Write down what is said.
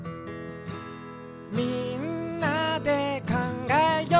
「みんなでかんがえよう」